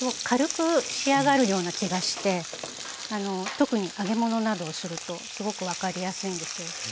軽く仕上がるような気がして特に揚げ物などをするとすごく分かりやすいんですよ。